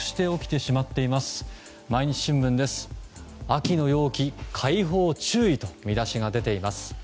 秋の陽気、開放注意と見出しが出ています。